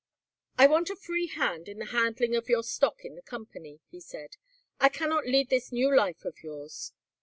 "I want a free hand in the handling of your stock in the company," he said. "I cannot lead this new life of yours.